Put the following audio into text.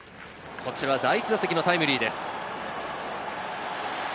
こちら第１打席のタイムリーです。